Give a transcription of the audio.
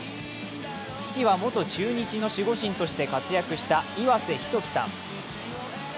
父は元中日の守護神として活躍した岩瀬仁紀さん。